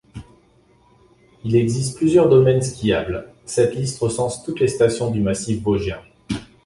Il existe plusieurs domaines skiables, cette liste recense toutes les stations du massif vosgien.